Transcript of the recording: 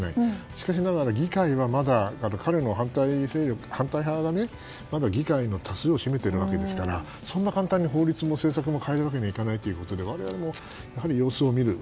しかし、議会はまだ彼への反対派がまだ議会の多数を占めているわけですからそんな簡単に法律も政策も変えるわけにいかないということで我々も様子を見る。